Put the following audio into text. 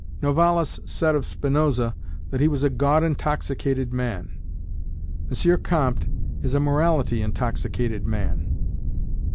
Novalis said of Spinoza that he was a God intoxicated man: M. Comte is a morality intoxicated man.